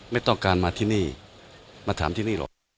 ไม่ต้องการมาที่นี่มาถามที่นี่หรอก